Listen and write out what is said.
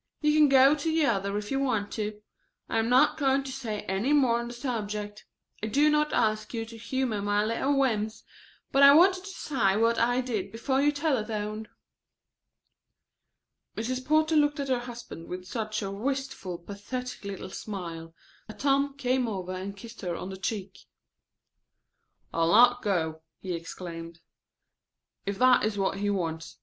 "You can go to the other if you want to. I am not going to say any more on the subject. I do not ask you to humor my little whims, but I wanted to say what I did before you telephoned." Mrs. Porter looked at her husband with such a wistful, pathetic little smile that Tom came over and kissed her on the cheek. "I'll not go," he exclaimed, "if that is what he wants.